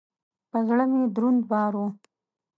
پر زړه مي دروند بار و .